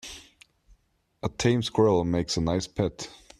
A tame squirrel makes a nice pet.